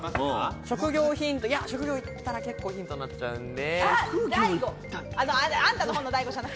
職業いったら結構ヒントになっちゃうんで。